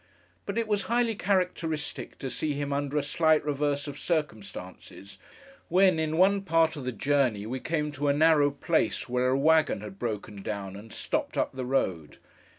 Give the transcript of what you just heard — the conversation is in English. But, it was highly characteristic to see him under a slight reverse of circumstances, when, in one part of the journey, we came to a narrow place where a waggon had broken down and stopped up the road.